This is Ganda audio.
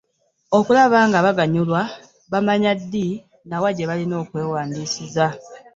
Okulaba ng’abaganyulwa bamanya ddi na wa gye balina okwewandiisiza.